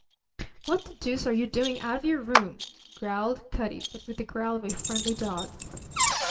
"What the deuce are you doing out of your room?" growled Cutty, but with the growl of a friendly dog.